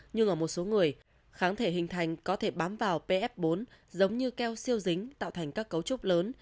nhưng ở một số người kháng thể hình thành có thể bám vào pf bốn giống như keo siêu dính tạo thành các cấu trúc lớn